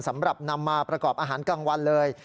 สำหรับนำมาประกอบอาหารกลางวันเลย